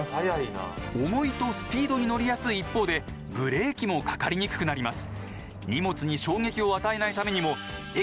重いとスピードに乗りやすい一方でブレーキもかかりにくくなります。